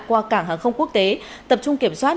qua cảng hàng không quốc tế tập trung kiểm soát